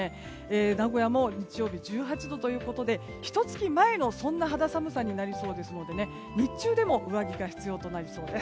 名古屋も日曜日１８度ということでひと月前の肌寒さになりそうですので日中でも上着が必要となりそうです。